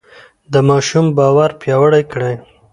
د ماشوم باور پیاوړی کړئ.